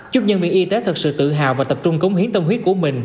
giúp nhân viên y tế thật sự tự hào và tập trung cống hiến tâm huyết của mình